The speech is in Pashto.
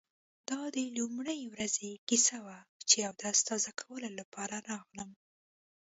دا د لومړۍ ورځې کیسه وه چې اودس تازه کولو لپاره راغلم.